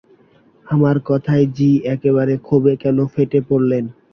আমার কথায় জি একেবারে ক্ষোভে যেন ফেটে পড়লেন।